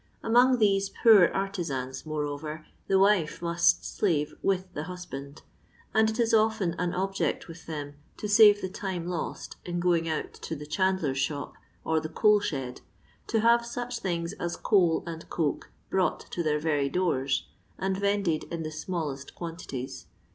Among these poor artizans, moreover, the wife must slave with the hosband, and it is often an object with them to lave the time lost in going out to the chandler's shop or the coal shed, to have such things as coal, sod coke brought to their very doors, and vended in the smallest quantities.